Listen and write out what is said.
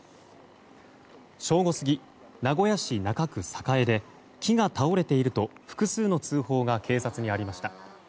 正午過ぎ、名古屋市中区栄で木が倒れていると複数の通報が警察にありました。